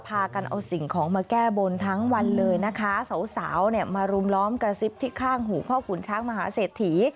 พากันเอาสิ่งของมาแก้บนทั้งวันเลยนะคะสาวสาวเนี่ยมารุมล้อมกระซิบที่ข้างหูพ่อขุนช้างมหาเศรษฐี